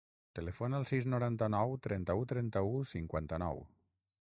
Telefona al sis, noranta-nou, trenta-u, trenta-u, cinquanta-nou.